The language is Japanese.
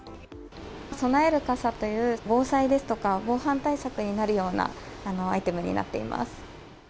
備える傘という、防災ですとか、防犯対策になるようなアイテムになっています。